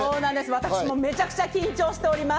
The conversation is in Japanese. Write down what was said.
私もめちゃめちゃ緊張しております。